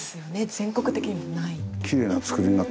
全国的にもない。